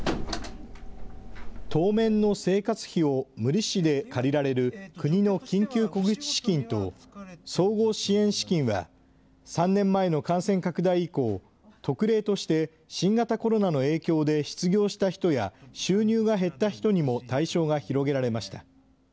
当面の生活費を無利子で借りられる国の緊急小口資金と総合支援資金は、３年前の感染拡大以降、特例として、新型コロナの影響で失業した人や、収入が減った人にも対象が広げられました。